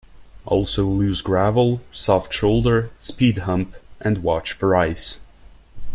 Also "Loose gravel", "Soft shoulder", "Speed hump", and "Watch for Ice.